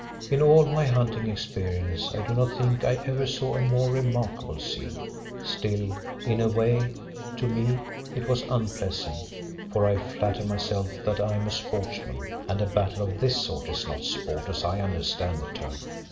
In all my hunting experience I do not think I ever saw a more remarkable scene. Still, in a way, to me it was unpleasant, for I flatter myself that I am a sportsman and a battle of this sort is not sport as I understand the term.